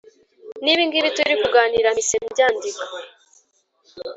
Nibingibi turi kuganira mpise mbyandika